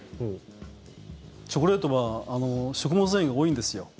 チョコレートは食物繊維が多いんですよ。